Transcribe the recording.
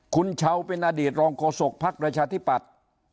คุณเช้าเป็นอดีตรองโฆษกภักดิ์ประชาธิปัตย์